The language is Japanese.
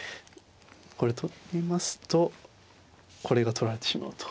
これ取りますとこれが取られてしまうと。